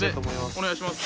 おねがいします。